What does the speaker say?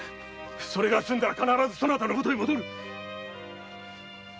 それが済んだら必ずそなたのもとへ戻る。